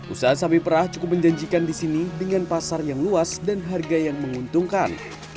usaha sapi perah cukup menjanjikan di sini dengan pasar yang luas dan harga yang menguntungkan